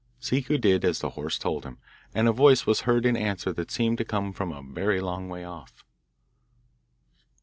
Ciccu did as the horse told him, and a voice was heard in answer that seemed to come from a very long way off.